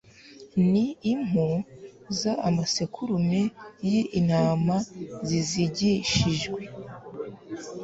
n impu z amasekurume y intama zizigishijwe